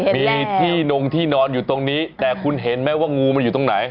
มีที่นงที่นอนอยู่ตรงนี้แต่คุณเห็นไหมว่างูมันอยู่ตรงไหน